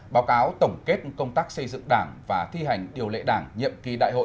báo cáo tổng kết công tác xây dựng đảng và thi hành điều lệ đảng nhiệm ký đại hội một mươi hai